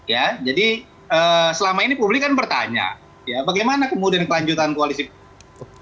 ya jadi selama ini publik kan bertanya ya bagaimana kemudian kelanjutan koalisi